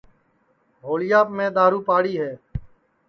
ہوݪِیاپ میں دؔارُو پاڑی ہے